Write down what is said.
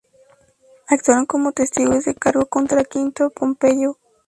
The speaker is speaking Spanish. Actuaron como testigos de cargo contra Quinto Pompeyo.